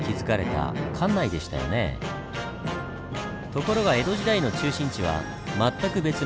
ところが江戸時代の中心地は全く別の場所。